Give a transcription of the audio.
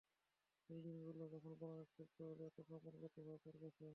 সেই দিন গুলো, যখন বাংলাদেশ খুব সহজেই আত্মসমর্পণ করত ভারতের কাছে।